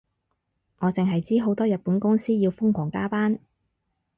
我淨係知好多日本公司要瘋狂加班